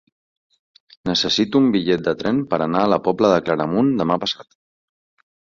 Necessito un bitllet de tren per anar a la Pobla de Claramunt demà passat.